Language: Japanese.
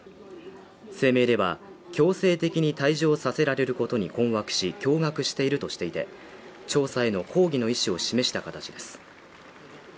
声明では、強制的に退場させられることに困惑し、驚愕しているとしていて、調査への抗議の意思を示した形です。